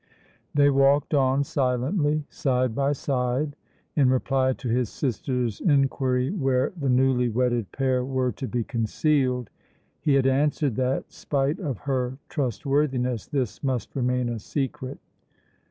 They walked on silently side by side. In reply to his sister's inquiry where the newly wedded pair were to be concealed, he had answered that, spite of her trustworthiness, this must remain a secret.